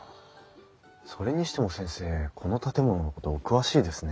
それにしても先生この建物のことお詳しいですね？